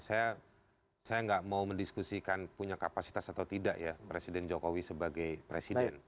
saya nggak mau mendiskusikan punya kapasitas atau tidak ya presiden jokowi sebagai presiden